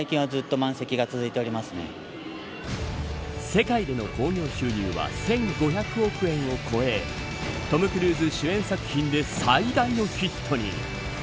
世界での興行収入は１５００億円を超えトム・クルーズ主演作品で最大のヒットに。